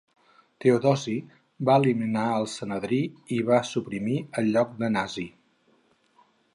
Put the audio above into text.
Teodosi va eliminar el Sanedrí i va suprimir el lloc de Nasi.